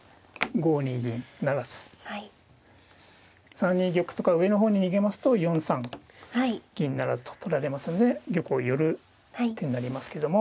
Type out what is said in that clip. ３二玉とか上の方に逃げますと４三銀不成と取られますので玉を寄る手になりますけども。